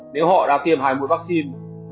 nếu họ đã tiêm hai mũi vắc xin